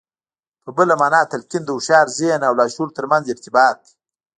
په بله مانا تلقين د هوښيار ذهن او لاشعور ترمنځ ارتباط دی.